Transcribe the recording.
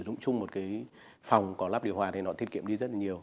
sử dụng chung một cái phòng có lắp điều hòa thì nó thiết kiệm đi rất là nhiều